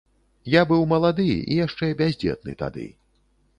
Я быў малады і яшчэ бяздзетны тады.